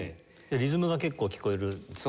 リズムが結構聴こえる感じに。